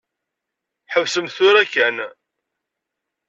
Ḥebsemt tura kan.